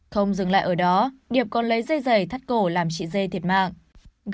không dừng lại ở đó điệp còn lấy dây dày thắt cổ làm chị d thiệt mạng